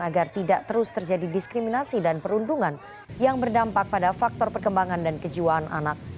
agar tidak terus terjadi diskriminasi dan perundungan yang berdampak pada faktor perkembangan dan kejiwaan anak